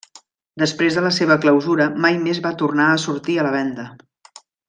Després de la seva clausura, mai més va tornar a sortir a la venda.